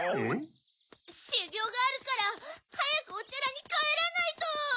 しゅぎょうがあるからはやくおてらにかえらないと！